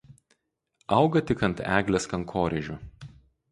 Auga tik ant eglės kankorėžių.